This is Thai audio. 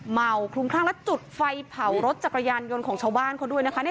เมาคลุมคลั่งและจุดไฟเผารถจักรยานยนต์ของชาวบ้านเขาด้วยนะคะ